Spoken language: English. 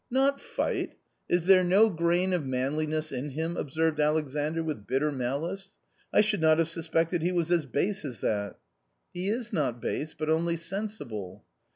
" Not fight ! is there no grain of manliness in him ?" observed Alexandr with bitter malice ;" I should not have suspected he was as base as that !"" He is not base, but only sensible."